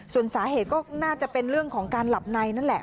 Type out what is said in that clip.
ส่วนสาเหตุก็น่าจะเป็นเรื่องของการหลับในนั่นแหละ